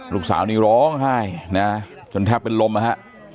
ลูกสาวนี่ร้องไห้นะจนแทบเป็นลมนะฮะ